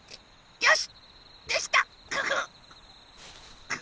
よし！